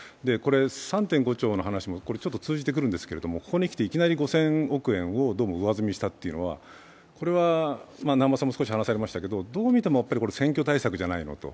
３．５兆の話も通じてくると思うんですけれども、ここに来ていきなり５０００億円を上積みしたというのは、これは、どう見ても選挙対策じゃないのと。